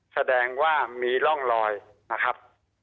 แสดงว่ามีร่องรอยนะครับ